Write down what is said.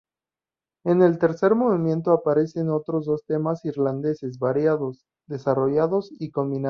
En el tercer movimiento aparecen otros dos temas irlandeses, variados, desarrollados y combinados.